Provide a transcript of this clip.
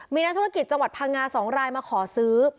มีนักธุรกิจจังหวัดพังงา๒รายมาขอซื้อ